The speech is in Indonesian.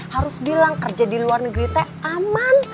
harus bilang kerja di luar negeri teh aman